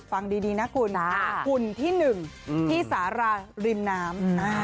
ฟังดีนาคุณหุ่นที่หนึ่งที่สารรรริมน้ำ